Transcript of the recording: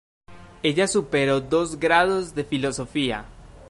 Ella superó dos grados de Filosofía.